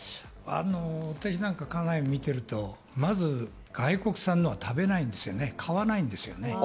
私なんか見てるとまず外国産のを食べないんですよね、買わないんですよね。